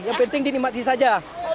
yang penting dinikmati saja